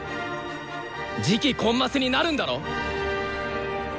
次期コンマスになるんだろ！？